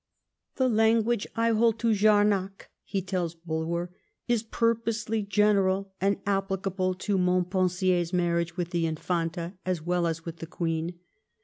The language I hold to Jamac [he tells Bnlwer] is pvrposelj general and applicable to Montpensier's marriage with the Infanta as well as with the Qaeen.